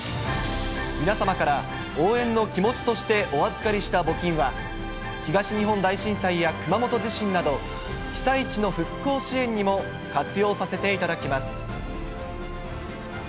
皆様から、応援の気持ちとしてお預かりした募金は、東日本大震災や熊本地震など、被災地の復興支援にも活用させていただきます。